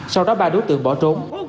sau đó ba đối tượng bỏ trốn